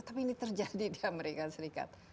tapi ini terjadi di amerika serikat